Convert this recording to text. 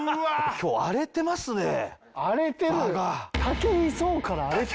今日荒れてますね場が。